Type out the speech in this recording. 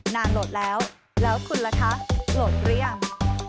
นานโหลดแล้วแล้วคุณล่ะคะโหลดหรือยัง